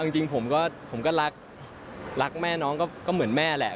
จริงผมก็รักรักแม่น้องก็เหมือนแม่แหละ